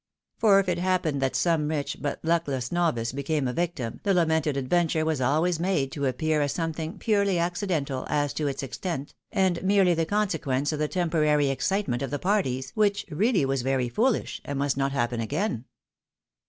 For if it happened that some rich, but luckless novice became a vic T 306 THE WIDOW MARRIED. tim, the lamented adventure was always made to appear as something piirely accidental, as to its extent, and merely the consequence of the temporary excitement of the parties, which " really was very foolish, and must not happen again."